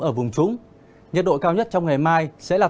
ở vùng trúng nhiệt độ cao nhất trong ngày mai sẽ là